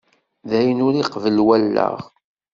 D ayen ur iqebbel wallaɣ!